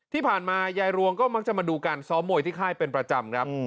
ที่ผ่านมายายรวงก็มักจะมาดูการซ้อมมวยที่ค่ายเป็นประจำครับ